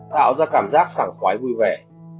tạo ra cảm giác sảng khoái vui vẻ